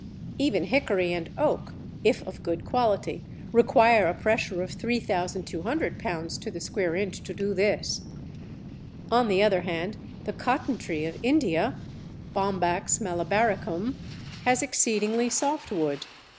Even Hickory and Oak (if of good quality) require a pressure of 3200 lb. to the square inch to do this. On the other hand the Cotton tree of India (Bombax malabaricum) has exceedingly soft wood.